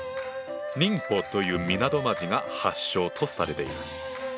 寧波という港町が発祥とされている。